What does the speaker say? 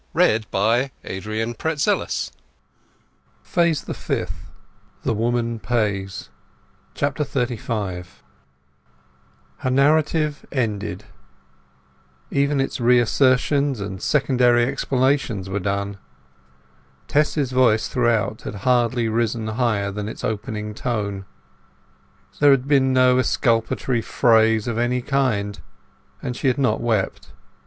End of Phase the Fourth Phase the Fifth: The Woman Pays XXXV Her narrative ended; even its re assertions and secondary explanations were done. Tess's voice throughout had hardly risen higher than its opening tone; there had been no exculpatory phrase of any kind, and she had not wept.